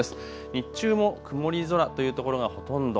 日中も曇り空というところがほとんど。